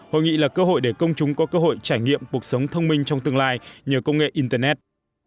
hội nghị là cơ hội để công chúng có cơ hội trải nghiệm cuộc sống thông minh trong tương lai nhờ công nghệ internet